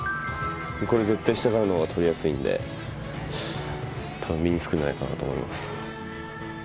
これ絶対下からの方が捕りやすいんでたぶん身に付くんじゃないかなと思います。